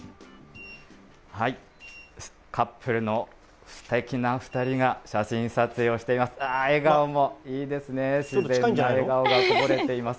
カップルのすてきな２人が、写真撮影をしています。